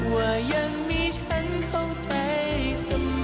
ว่ายังมีฉันเข้าใจเสมอ